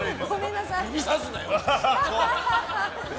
指さすなよ！